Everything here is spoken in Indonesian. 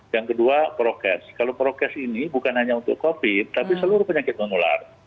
yang kedua prokes kalau prokes ini bukan hanya untuk covid tapi seluruh penyakit menular